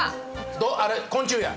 あれ昆虫や。